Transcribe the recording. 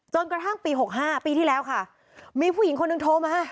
จนกระทั่งปี๖๕ปีที่แล้วค่ะมีผู้หญิงคนหนึ่งโทรมา